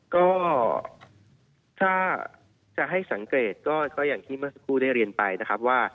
ก็ถ้าจะให้สังเกตก็อย่างที่เมื่อสักครู่ได้เรียนไปนะครับว่า